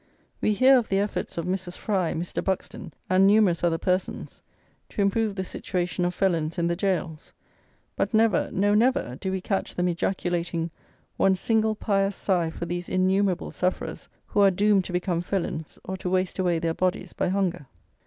We hear of the efforts of Mrs. Fry, Mr. Buxton, and numerous other persons, to improve the situation of felons in the gaols; but never, no never, do we catch them ejaculating one single pious sigh for these innumerable sufferers, who are doomed to become felons or to waste away their bodies by hunger.